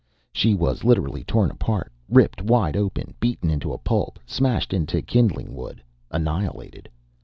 She was literally torn apart, ripped wide open, beaten into a pulp, smashed into kindling wood, annihilated.